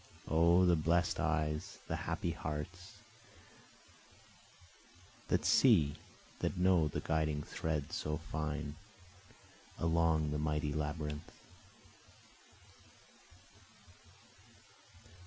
O the blest eyes, the happy hearts, That see, that know the guiding thread so fine, Along the mighty labyrinth.